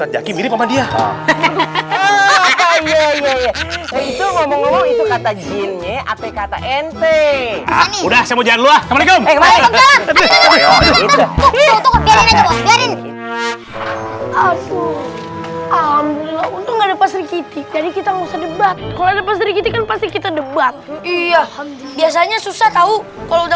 ya itu ngomong ngomong itu kata jinnya atau kata nt udah saya mau jalan luah